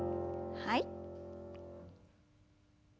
はい。